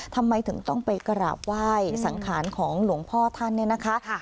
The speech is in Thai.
ทำไมถึงต้องไปกราบไหว้สังขารของหลวงพ่อท่านเนี่ยนะคะ